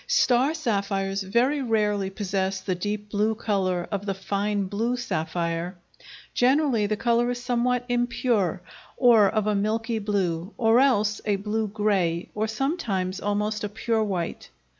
Star sapphires very rarely possess the deep blue color of the fine blue sapphire; generally the color is somewhat impure, or of a milky blue, or else a blue gray, or sometimes almost a pure white.